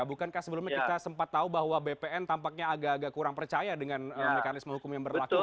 bukankah sebelumnya kita sempat tahu bahwa bpn tampaknya agak agak kurang percaya dengan mekanisme hukum yang berlaku